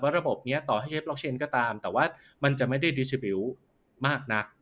ว่าระบบเนี้ยต่อให้ใช้บล็อกเชนก็ตามแต่ว่ามันจะไม่ได้มากนัก